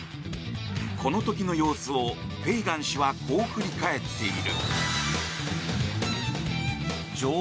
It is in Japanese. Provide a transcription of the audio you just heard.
この時の様子を、フェイガン氏はこう振り返っている。